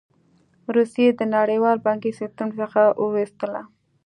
روسیه یې د نړیوال بانکي سیستم څخه وویستله.